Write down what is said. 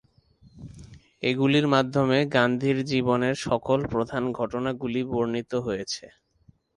এগুলির মাধ্যমে গান্ধীর জীবনের সকল প্রধান ঘটনাগুলি বর্ণিত হয়েছে।